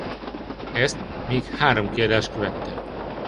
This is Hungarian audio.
Ezt még három kiadás követte.